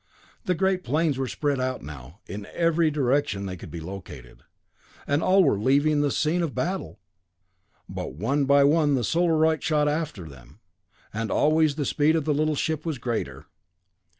The great planes were spread out now. In every direction they could be located and all were leaving the scene of the battle. But one by one the Solarite shot after them, and always the speed of the little ship was greater.